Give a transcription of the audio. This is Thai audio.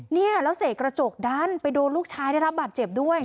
เนี่ยแล้วเสกกระจกดันไปโดนลูกชายได้รับบาดเจ็บด้วย